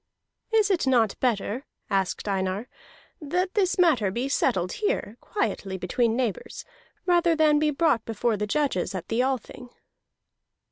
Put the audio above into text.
"Is it not better," asked Einar, "that this matter be settled here quietly, between neighbors, rather than be brought before the judges at the Althing?"